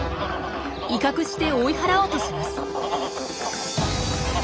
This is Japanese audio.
威嚇して追い払おうとします。